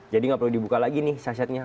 jadi nggak perlu dibuka lagi nih sasetnya